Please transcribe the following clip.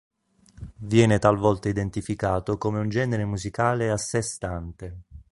Viene talvolta identificato come un genere musicale a sé stante.